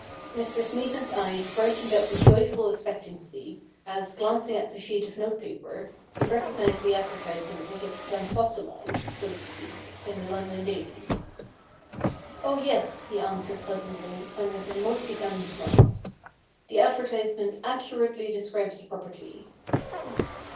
Mr. Smeaton's eyes brightened up with joyful expectancy, as, glancing at the sheet of note paper, he recognised the ad vertisement which had become fossilised, so to speak, in the London dailies. ' Oh, yes,' he answered pleasantly, and with a most be coming smile. ' The advertisement accurately describes the property.'